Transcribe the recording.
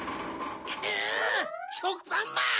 くぅしょくぱんまん！